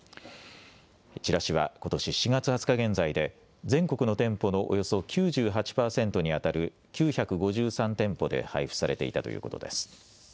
チラシはことし４月２０日現在で全国の店舗のおよそ９８％にあたる９５３店舗で配布されていたということです。